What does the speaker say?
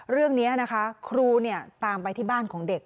เรื่องนี้นะคะครูตามไปที่บ้านของเด็ก